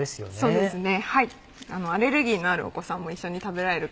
そうですね